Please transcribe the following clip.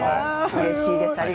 うれしいです。